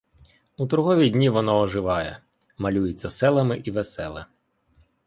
У торгові дні воно оживає, малюється селами і веселе.